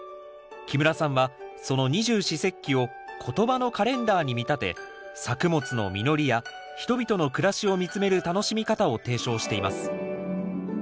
木村さんはその二十四節気を言葉のカレンダーに見立て作物の実りや人々の暮らしを見つめる楽しみ方を提唱しています